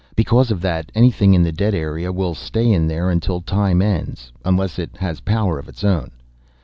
Because of that, anything in the dead area, will stay in there until time ends, unless it has power of its own.